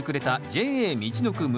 ＪＡみちのく村